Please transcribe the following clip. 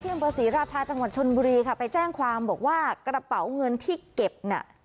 อำเภอศรีราชาจังหวัดชนบุรีค่ะไปแจ้งความบอกว่ากระเป๋าเงินที่เก็บน่ะ